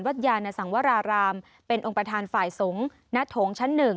ยานสังวรารามเป็นองค์ประธานฝ่ายสงฆ์ณโถงชั้น๑